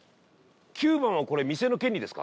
９番は、店の権利ですか？